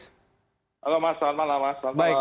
halo mas selamat malam mas